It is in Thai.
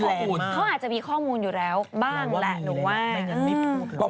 รู้จักดูแลตัวเอง